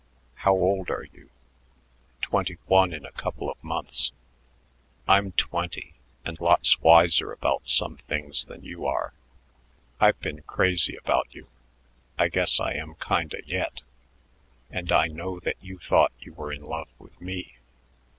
How old are you?" "Twenty one in a couple of months." "I'm twenty and lots wiser about some things than you are. I've been crazy about you I guess I am kinda yet and I know that you thought you were in love with me.